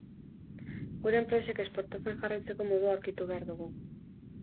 Gure enpresek esportatzen jarraitzeko modua aurkitu behar dugu.